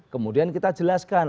kemudian kita jelaskan